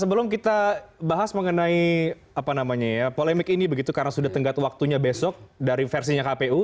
sebelum kita bahas mengenai polemik ini begitu karena sudah tenggat waktunya besok dari versinya kpu